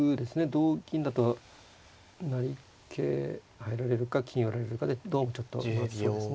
同銀だと成桂入られるか金寄られるかでどうもちょっとまずそうですね。